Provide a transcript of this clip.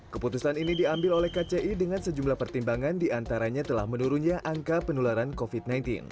keputusan ini diambil oleh kci dengan sejumlah pertimbangan diantaranya telah menurunnya angka penularan covid sembilan belas